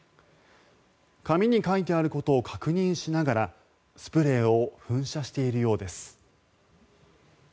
紙に書いてあることを確認しながらスプレーを噴射しているようです。